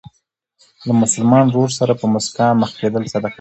له مسلمان ورور سره په مسکا مخ کېدل صدقه ده.